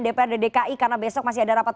dprd dki karena besok masih ada rapat